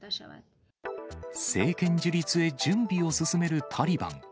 政権樹立へ準備を進めるタリバン。